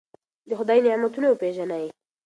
د خدای نعمتونه وپېژنئ.